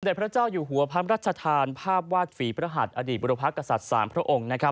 พระเจ้าอยู่หัวพระราชทานภาพวาดฝีพระหัสอดีตบุรพกษัตริย์๓พระองค์